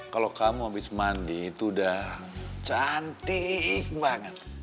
kalau kamu habis mandi itu udah cantik banget